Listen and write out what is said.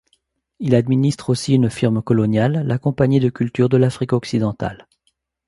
Il administre aussi une firme coloniale: la Compagnie de Cultures de l'Afrique occidentale.